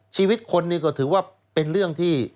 ชีวิตคนนี้ก็ถือว่าเป็นเรื่องที่